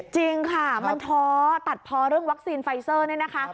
จริงค่ะมันท้อตัดพอเรื่องวัคซีนไฟเซอร์เนี่ยนะคะ